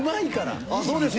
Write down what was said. そうですか。